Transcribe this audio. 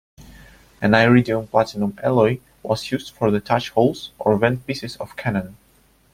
An iridium-platinum alloy was used for the touch holes or vent pieces of cannon.